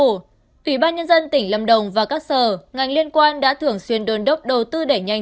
ủy ban nhân dân tỉnh lâm đồng và các sở ngành liên quan đã thường xuyên đôn đốc đầu tư đẩy nhanh